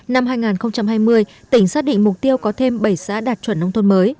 năm hai nghìn hai mươi tỉnh xác định mục tiêu có thêm bảy xã đạt chuẩn nông thôn mới